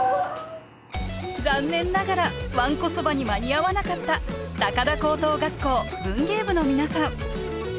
残念ながらわんこそばに間に合わなかった高田高等学校文芸部の皆さん。